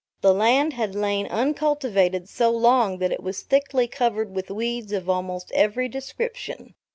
The land had lain uncultivated so long that it was thickly covered with weeds of almost every description.